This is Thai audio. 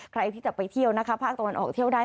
ใครที่จะไปเที่ยวนะคะภาคตะวันออกเที่ยวได้